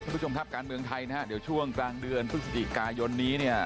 คุณผู้ชมครับการเมืองไทยนะฮะเดี๋ยวช่วงกลางเดือนพฤศจิกายนนี้เนี่ย